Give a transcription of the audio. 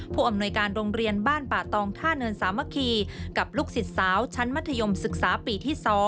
ผู้อำนวยการโรงเรียนบ้านป่าตองท่าเนินสามัคคีกับลูกศิษย์สาวชั้นมัธยมศึกษาปีที่๒